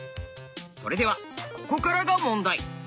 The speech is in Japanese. それではここからが問題。